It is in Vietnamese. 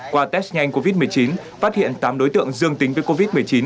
qua test nhanh covid một mươi chín phát hiện tám đối tượng dương tính với covid một mươi chín